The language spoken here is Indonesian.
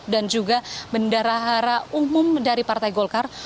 dan juga bendahara umum dari partai golkar